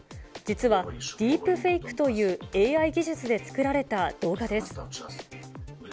実は、ディープフェークというＡＩ技術で作られた動画です。